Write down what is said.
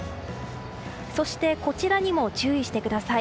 そしてこちらにも注意してください。